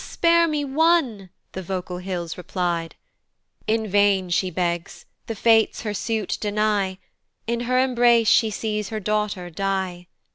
spare me one," the vocal hills reply'd: In vain she begs, the Fates her suit deny, In her embrace she sees her daughter die.